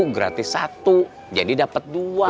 gratis satu jadi dapat dua